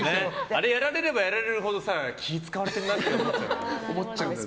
あれ、やられればやられるほど気を使われてるなって思うよね。